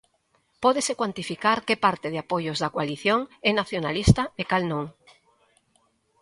Pódese cuantificar que parte de apoios da coalición é nacionalista e cal non?